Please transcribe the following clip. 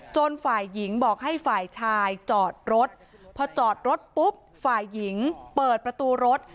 ฝ่ายหญิงบอกให้ฝ่ายชายจอดรถพอจอดรถปุ๊บฝ่ายหญิงเปิดประตูรถ